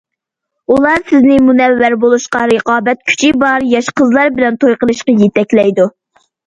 ئۇلار سىزنى مۇنەۋۋەر بولۇشقا، رىقابەت كۈچى بار ياش قىزلار بىلەن توي قىلىشقا يېتەكلەيدۇ.